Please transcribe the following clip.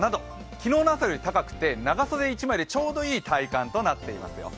昨日の朝より高くて、長袖１枚でちょうどいい体感となっていますよ。